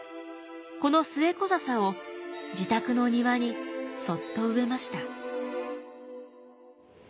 このスエコザサを自宅の庭にそっと植えました。